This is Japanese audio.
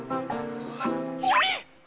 それ！